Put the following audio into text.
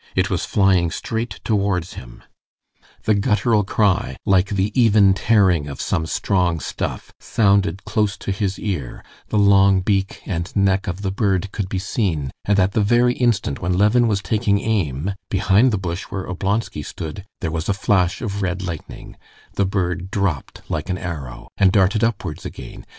It was flying straight towards him; the guttural cry, like the even tearing of some strong stuff, sounded close to his ear; the long beak and neck of the bird could be seen, and at the very instant when Levin was taking aim, behind the bush where Oblonsky stood, there was a flash of red lightning: the bird dropped like an arrow, and darted upwards again.